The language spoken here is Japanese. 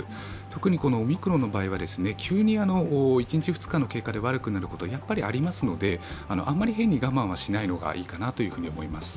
特にオミクロンの場合は急に１日・２日の経過で悪くなることはありますので、あんまり変に我慢はしない方がいいのかと思います。